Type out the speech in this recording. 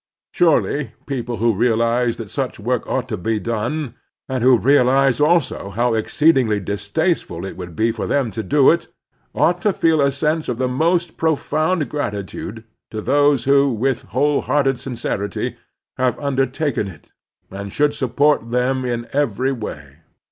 Stirely people who realize that such work ought to be done, and who realize also how ex ce«iingly distasteful it would be for them to do it, ought to feel a sense of the most profoimd grati tude to those who with whole hearted sincerity have undertaken it, and should support them in every way.